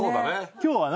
今日は何？